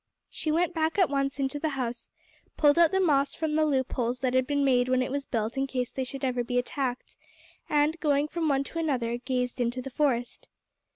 She went back at once into the house, pulled out the moss from the loopholes that had been made when it was built in case they should ever be attacked, and, going from one to another, gazed into the forest.